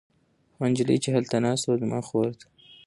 هغه نجلۍ چې هلته ناسته ده زما خور ده.